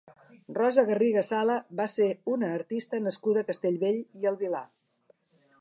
Rosa Garriga Sala va ser una artista nascuda a Castellbell i el Vilar.